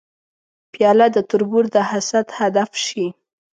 پیاله د تربور د حسد هدف شي.